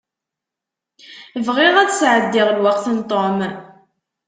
Bɣiɣ ad sεeddiɣ lweqt d Tom.